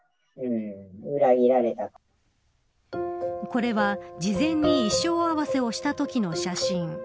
これは、事前に衣装合わせしたときの写真。